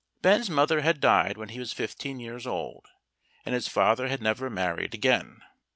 Ben's mother had died when he was fifteen years old and his father had never married again.